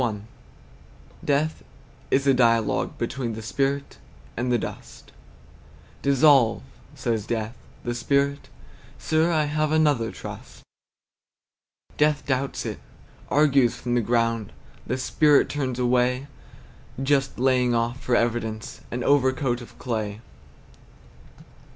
Death is a dialogue between The spirit and the dust. "Dissolve," says Death. The Spirit, "Sir, I have another trust." Death doubts it, argues from the ground. The Spirit turns away, Just laying off, for evidence, An overcoat of clay.